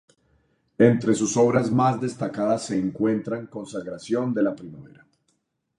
Entre sus obras más destacadas se encuentran: Consagración de la primavera.